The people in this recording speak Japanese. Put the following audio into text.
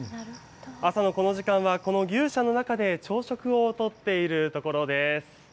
朝のこの時間は、この牛舎の中で朝食をとっているところです。